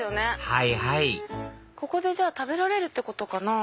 はいはいここでじゃあ食べられるってことかな？